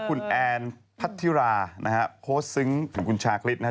คุณแอร์นพัทธิราโพสทศึ้งคุณชาคริ๊ตนะครับ